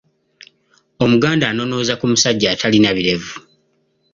Omuganda anonooza ku musajja atalina birevu.